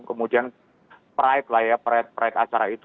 kemudian pride lah ya pride pride acara itu